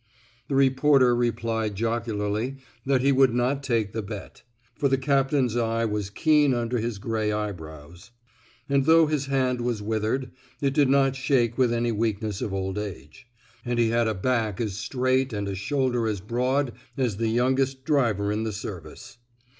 The reporter replied jocularly that he would not take the bet; for the captain's eye was keen under his gray eyebrows ; and though his hand was withered, it did not shake with any weakness of old age; and he had a back as straight and a shoulder as broad as the youngest driver in the service.